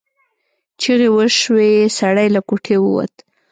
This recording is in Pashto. چیغې وشوې سړی له کوټې ووت.